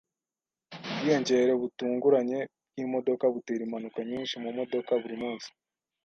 Ubwiyongere butunguranye bwimodoka butera impanuka nyinshi mumodoka burimunsi